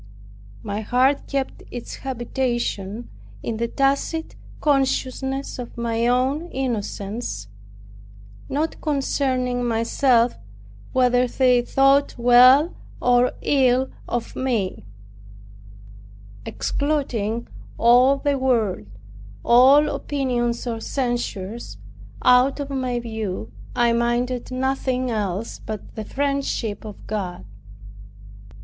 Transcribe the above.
My heart kept its habitation in the tacit consciousness of my own innocence, not concerning myself whether they thought well or ill of me; excluding all the world, all opinions or censures, out of my view, I minded nothing else but the friendship of God.